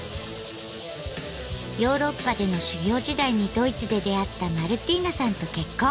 ヨーロッパでの修業時代にドイツで出会ったマルティーナさんと結婚。